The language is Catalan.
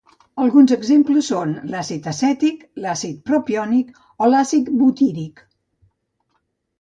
Alguns exemples són: l'àcid acètic, l'àcid propiònic o l'àcid butíric.